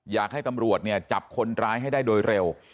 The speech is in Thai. อยากให้ตำรวจเนี่ยจับคนร้ายให้ได้โดยเร็ว